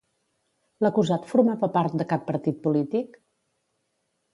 L'acusat formava part de cap partit polític?